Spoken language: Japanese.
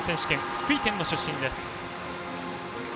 福井県の出身です。